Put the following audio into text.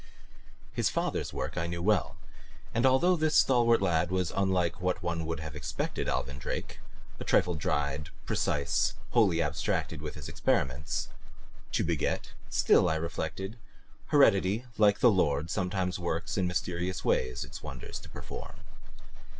His father's work I knew well, and although this stalwart lad was unlike what one would have expected Alvin Drake a trifle dried, precise, wholly abstracted with his experiments to beget, still, I reflected, heredity like the Lord sometimes works in mysterious ways its wonders to perform.